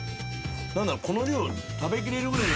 何だろこの量食べきれるぐらいの。